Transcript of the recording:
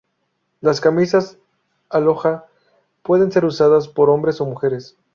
Las camisas Aloha pueden ser usadas por hombres o mujeres.